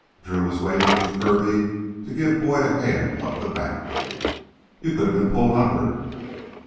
Drew was waiting with Kirby to give Boyd a hand up the bank. "You could have been pulled under!"